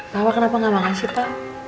papa kenapa gak makan sih pa